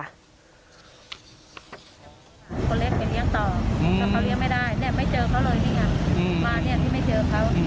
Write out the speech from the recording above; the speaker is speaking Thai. คนเล็กไปเลี้ยงต่อแต่เขาเลี้ยงไม่ได้เนี่ยไม่เจอเขาเลยนี่ไงมาเนี่ยนี่ไม่เจอเขา